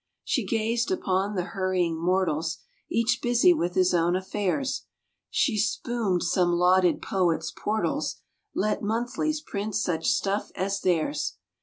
She gazed upon the hurrying mortals, Each busy with his own affairs. She spumed some lauded poets' portals, "Let monthlies print such stuff as theirs."